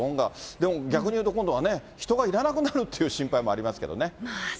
でも、逆に言うと、今度はね、人がいらなくなるという心配もありますけどね。